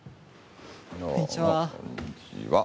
こんにちは。